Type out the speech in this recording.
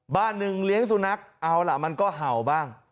บ้านหนึ่งเลี้ยงสุนัขเอาล่ะมันก็เห่าบ้าง